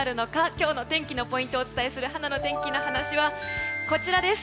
今日の天気のポイントをお伝えするはなの天気のはなしはこちらです。